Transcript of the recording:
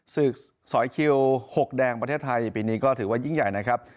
ศึกสอยคิว๖แดงประเทศไทยปีนี้ก็ถือว่ายิ่งใหญ่นะครับ